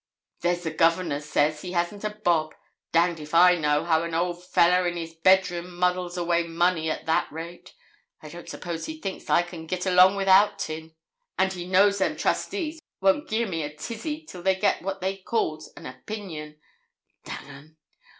'There's the Governor says he hasn't a bob! Danged if I know how an old fellah in his bed room muddles away money at that rate. I don't suppose he thinks I can git along without tin, and he knows them trustees won't gi'e me a tizzy till they get what they calls an opinion dang 'em!